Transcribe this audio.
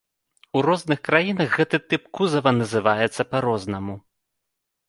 У розных краінах гэты тып кузава называецца па-рознаму.